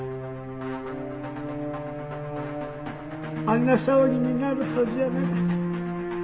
あんな騒ぎになるはずじゃなかった。